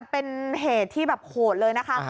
เป็นเหตุที่แบบโหดเลยนะคะ